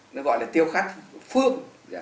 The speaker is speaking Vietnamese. nó gọi là tiêu khát phương